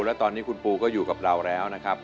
และตอนนี้คุณปูก็อยู่กับเราแล้วนะครับ